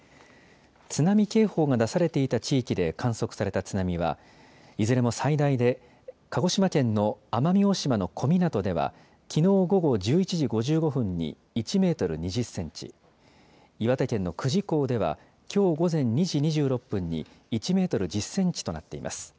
津波警報が出されていた地域で観測された津波は、いずれも最大で鹿児島県の奄美大島の小湊ではきのう午後１１時５５分に１メートル２０センチ、岩手県の久慈港では、きょう午前２時２６分に、１メートル１０センチとなっています。